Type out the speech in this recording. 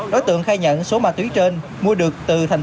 nói tượng khai nhận số ma túy trên mua được từ tp hcm